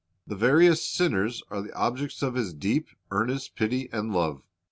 The veriest sinners are the objects of His deep, earnest pity and love.